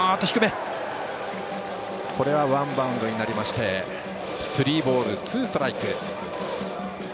これはワンバウンドになりましてスリーボール、ツーストライク。